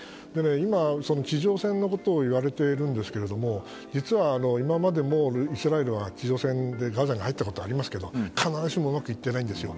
今、地上戦のことをいわれているんですけれども実は今までもイスラエルは地上戦でガザに入ったことがありますけど必ずしもうまくいってないんですよ。